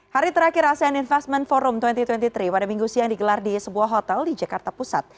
hari terakhir asean investment forum dua ribu dua puluh tiga pada minggu siang digelar di sebuah hotel di jakarta pusat